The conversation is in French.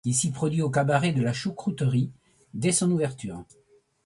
Il s'y produit au cabaret de la Choucrouterie, dès son ouverture.